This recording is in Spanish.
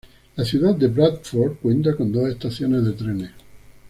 La ciudad de Bradford cuenta con dos estaciones de trenes.